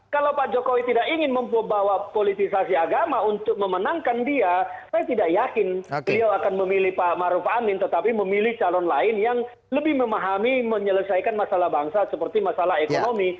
kalau pak jokowi tidak ingin membawa politisasi agama untuk memenangkan dia saya tidak yakin beliau akan memilih pak maruf amin tetapi memilih calon lain yang lebih memahami menyelesaikan masalah bangsa seperti masalah ekonomi